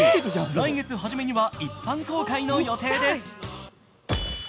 来月初めには一般公開の予定です。